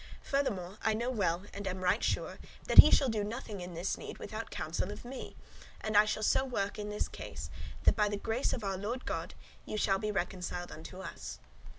Furthermore I know well, and am right sure, that he shall nothing do in this need without counsel of me; and I shall so work in this case, that by the grace of our Lord God ye shall be reconciled unto us."